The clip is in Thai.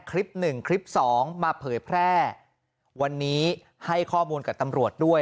คลิปหนึ่งคลิปสองมาเผยแพร่วันนี้ให้ข้อมูลกับตำรวจด้วย